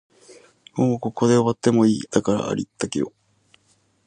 もうここで終わってもいい、だからありったけを